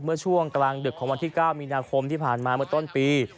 เมื่อช่วงกลางดึกของวันที่๙มีนาคมที่ผ่านมาเมื่อต้นปี